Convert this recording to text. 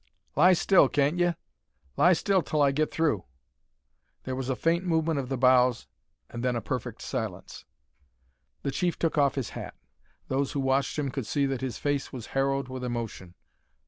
"Lie still, can't ye? Lie still until I get through." There was a faint movement of the boughs, and then a perfect silence. The chief took off his hat. Those who watched him could see that his face was harrowed with emotion.